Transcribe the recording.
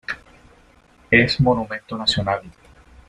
Es monumento Nacional.